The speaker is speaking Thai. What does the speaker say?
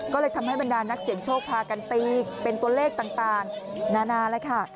ก็เลยทำให้บรรดานักเสียงโชคพากันตีเป็นตัวเลขต่างนานาแล้วค่ะ